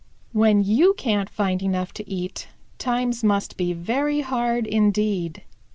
"When you can't find enough to eat times must be very hard indeed.